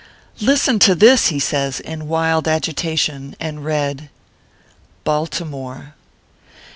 " Listen to this/ says he, in wild agitation, and read : BALTIMORE.